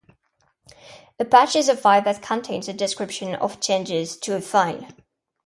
A patch is a file that contains a description of changes to a file.